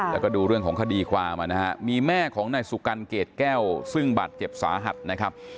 แล้วก็ดูเรื่องของคดีความนะฮะมีแม่ของนายสุกันเกรดแก้วซึ่งบาดเจ็บสาหัสนะครับ